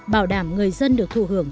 bảo đảm người dân được thù hưởng